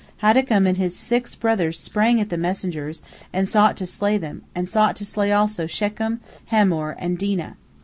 Haddakum and his six brothers sprang at the messengers, and sought to slay them, and sought to slay also Shechem, Hamor, and Dinah.